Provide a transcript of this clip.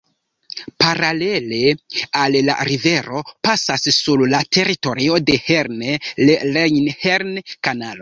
Paralele al la rivero pasas sur la teritorio de Herne la Rejn-Herne-Kanalo.